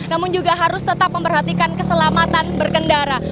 namun juga harus tetap memperhatikan keselamatan berkendara